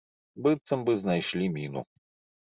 Быццам бы знайшлі міну.